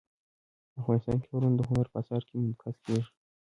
افغانستان کې غرونه د هنر په اثار کې منعکس کېږي.